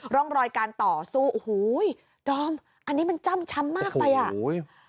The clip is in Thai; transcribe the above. ร่องรอยการต่อสู้โอ้โหดอมอันนี้มันจ้ำช้ำมากไปอ่ะโอ้ย